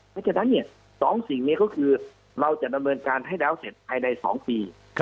เพราะฉะนั้น๒สิ่งนี้ก็คือเราจะดำเนินการให้แล้วเสร็จภายใน๒ปี